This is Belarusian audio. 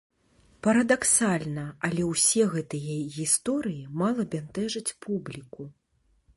Парадаксальна, але ўсе гэтыя гісторыі мала бянтэжаць публіку.